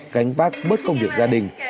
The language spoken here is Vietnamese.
gánh vác bớt công việc gia đình